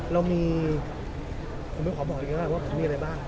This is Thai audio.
เรามีผมไม่ขอบอกดีกว่าว่าผมมีอะไรบ้าง